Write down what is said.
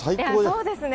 そうですね。